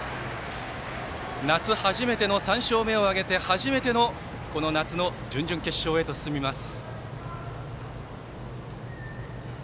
夏、初めての３勝目を挙げて初めてのこの夏の準々決勝へと進みます。